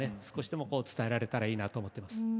少しでも伝えられたらいいなと思ってます。